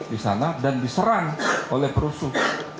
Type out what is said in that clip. di sana dan diserang oleh perusuh